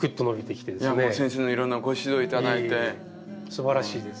すばらしいです。